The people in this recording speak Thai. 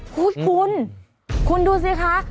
คุณคุณดูสิคะ